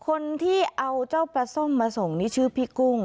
คนที่เอาเจ้าปลาส้มมาส่งนี่ชื่อพี่กุ้ง